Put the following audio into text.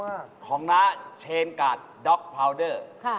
อ้าวแล้ว๓อย่างนี้แบบไหนราคาถูกที่สุด